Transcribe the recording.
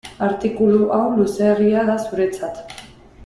Artikulu hau luzeegia da zuretzat.